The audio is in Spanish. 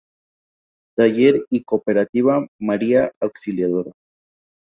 Taller y cooperativa "María Auxiliadora".